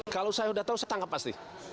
kalau saya sudah tahu saya tangkap pasti